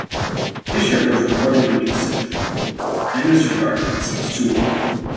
Fischer was reportedly considered for the lead, then disregarded as he was too old.